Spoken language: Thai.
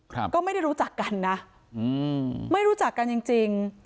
ครับก็ไม่ได้รู้จักกันนะอืมไม่รู้จักกันจริงจริง